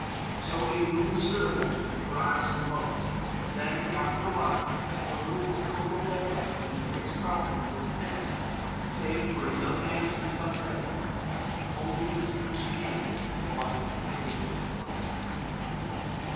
So Yulun stood a moment, her eyes remote. Then, after a while, the little rococo bedroom in the Ritz Carlton was empty save for a young man asleep on the bed, holding in his clenched hand a white hibiscus blossom.